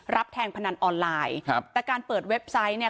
แทงพนันออนไลน์ครับแต่การเปิดเว็บไซต์เนี่ย